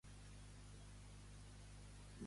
De què tracta The Epilogue?